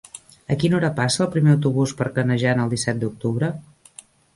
A quina hora passa el primer autobús per Canejan el disset d'octubre?